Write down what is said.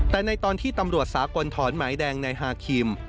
แต่ในตอนที่ตำรวจสากลถอนหมายแดงในฮาคิม